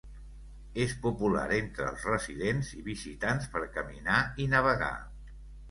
És popular entre els residents i visitants per caminar i navegar.